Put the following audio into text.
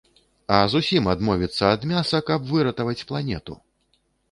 А зусім адмовіцца ад мяса, каб выратаваць планету?